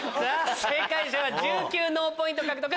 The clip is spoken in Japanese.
正解者は１９脳ポイント獲得。